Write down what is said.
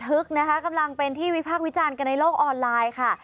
ึกนะคะกำลังเป็นที่วิพากษ์วิจารณ์กันในโลกออนไลน์ค่ะ